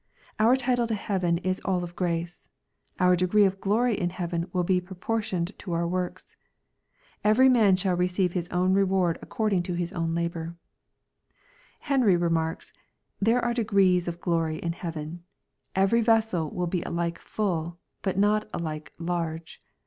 Our title to heaven is all of grace. Our degree of glory in heaven will be proportioned to our works. " Every man shall receive his own reward according to his own labor." Henry remarks, " There are degrees of glory in heaven. Every vessel will be alike full, but not alike large.